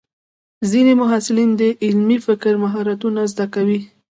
ځینې محصلین د علمي فکر مهارتونه زده کوي.